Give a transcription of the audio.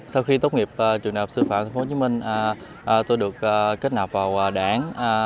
sau khi tốt nghiệp trường đại học sư phạm tp hcm tôi được kết nạp vào đảng